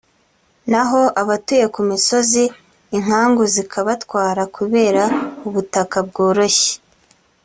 naho abatuye ku misozi inkangu zikabatwara kubera ubutaka bworoshye